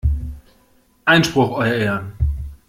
Einspruch, euer Ehren!